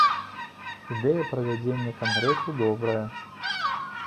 Ідэя правядзення кангрэсу добрая.